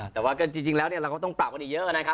แต่ว่าก็จริงแล้วเราก็ต้องปรับกันอีกเยอะนะครับ